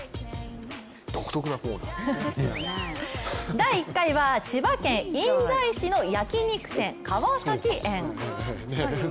第１回は千葉県印西市の焼き肉店・川崎苑。